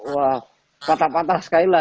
wah patah patah sekali lah